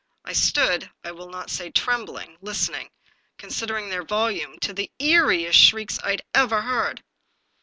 I stood, I will not say trembling, listening— considering their vol ume — to the eeriest shrieks I ever heard.